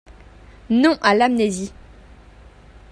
Non à l’amnésie !